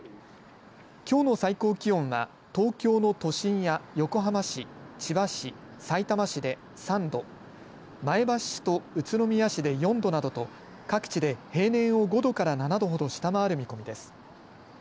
きょうの最高気温は東京の都心や横浜市千葉市、さいたま市で３度前橋市と宇都宮市で４度などと各地で平年を５度から７度ほど下回る見込みです。